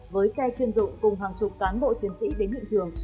với xe chuyên dụng cùng hàng chục cán bộ chiến sĩ đến hiện trường